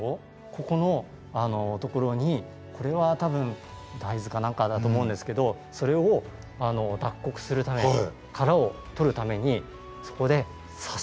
ここのところにこれは多分大豆か何かだと思うんですけどそれを脱穀するために殻を取るためにそこで刺して。